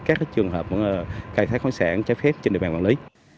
các trường hợp khai thác khoản sản trái phép trên địa bàn quản lý